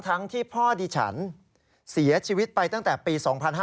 ทั้งที่พ่อดิฉันเสียชีวิตไปตั้งแต่ปี๒๕๕๙